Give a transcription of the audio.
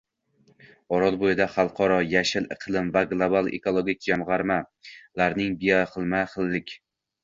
Orolbo‘yida xalqaro “Yashil iqlim” va “Global ekologik jamg‘arma”larining bioxilma-xillik